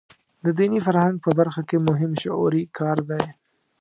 د دیني فرهنګ په برخه کې مهم شعوري کار دی.